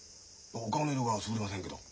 お顔の色がすぐれませんけど。